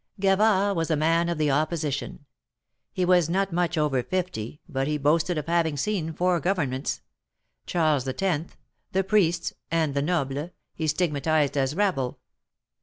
Gavard was a man of the Opposition. He was not much over fifty, but he boasted of having seen four govern ments : Charles X. — the Priests — and the Xobles, he stig matized as rabble.